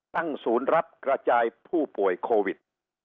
ตั้งศูนย์รับกระจายผู้ป่วยโควิด